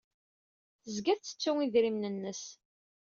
Tezga tettettu idrimen-nnes.